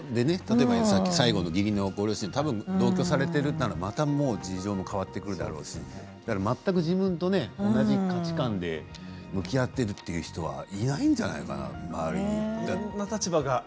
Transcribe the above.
最後の義理のご両親同居されているから事情が変わってくるだろうし自分と同じ価値観で向き合っているという人は周りにいないんじゃないかなと。